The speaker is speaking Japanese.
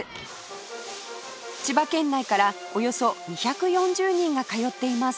千葉県内からおよそ２４０人が通っています